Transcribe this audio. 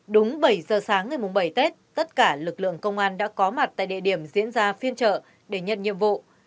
đúng bảy giờ sáng ngày bảy tết tất cả lực lượng công an đã có mặt tại địa điểm diễn ra phiên trợ để nhận nhiệm vụ